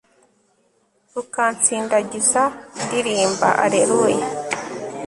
rukansindagiza, ndirimba alleluya